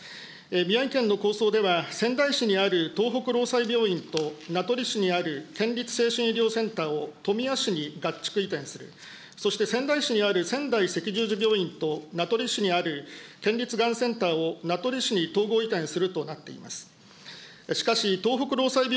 宮城県の構想では、仙台市にある東北労災病院と名取市にある県立精神医療センターをとみやしに合築移転する、そして、仙台市にある仙台赤十字病院と、名取市にある県立がんセンターを名取市に統合移転するとなっています。